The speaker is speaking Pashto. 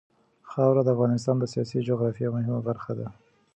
خاوره د افغانستان د سیاسي جغرافیه یوه مهمه برخه ده.